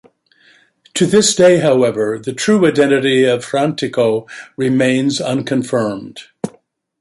To this day however, the true identity of Frantico remains unconfirmed.